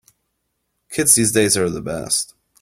Kids these days are the best.